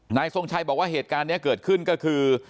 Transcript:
ทรงชัยบอกว่าเหตุการณ์นี้เกิดขึ้นก็คือ